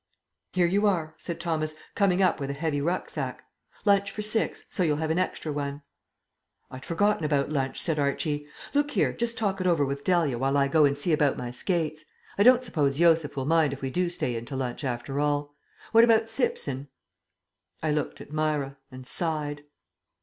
"Here you are," said Thomas, coming up with a heavy rucksack. "Lunch for six, so you'll have an extra one." "I'd forgotten about lunch," said Archie. "Look here, just talk it over with Dahlia while I go and see about my skates. I don't suppose Josef will mind if we do stay in to lunch after all. What about Simpson?" I looked at Myra ... and sighed.